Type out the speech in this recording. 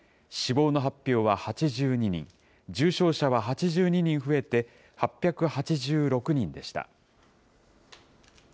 死亡の発表は８２人、重症者は８２人増えて、８８６人でした。